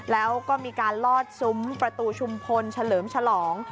แล้วก็มีการลอดซุ้มประตูชุมพลเฉลิมฉลอง